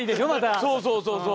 そうそうそうそう。